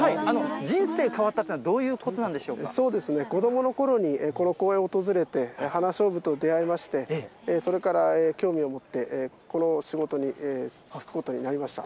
人生変わったというのは、そうですね、子どものころにこの公園を訪れて、花しょうぶと出会いまして、それから興味を持って、この仕事に就くことになりました。